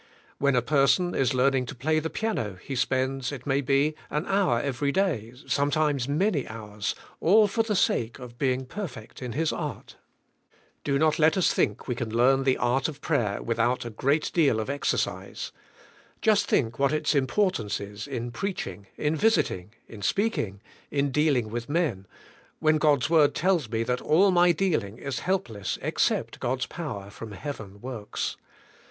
When a person is learning to play the piano he spends, it may be, an hour every day, sometimes many hours, all for the sake of being perfect in his art. Do not let us think we can learn the art of 90 i^he: spiritual life. prayer without a great deal of exercise. Just think what its importance is in preaching , in visiting , in speaking, in dealing with men, when God's word tells me that all my dealing is helpless except God's power from heaven works.